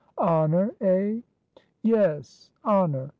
"Honor, eh?" "Yes! honor.